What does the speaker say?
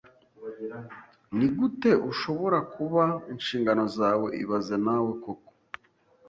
Nigute ushobora kuba inshingano zawe ibaze nawe koko